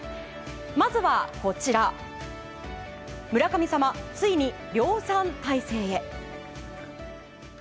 まずは村神様、ついに量産体制へ。